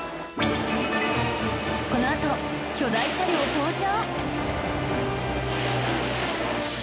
このあと巨大車両登場！